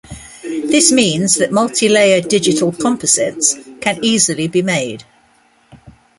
This means that multi-layer digital composites can easily be made.